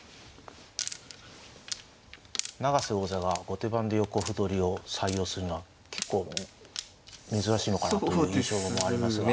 永瀬王座が後手番で横歩取りを採用するのは結構珍しいのかなという印象もありますが。